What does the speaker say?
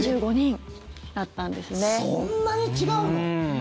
そんなに違うの？